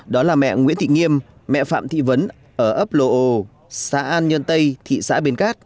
đó là mẹ nguyễn thị nghiêm mẹ phạm thị vấn ở ấp lô xã an nhân tây thị xã bến cát